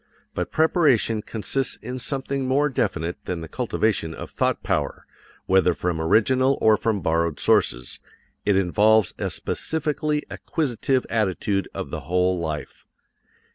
But preparation consists in something more definite than the cultivation of thought power, whether from original or from borrowed sources it involves a specifically acquisitive attitude of the whole life.